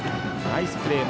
ナイスプレー。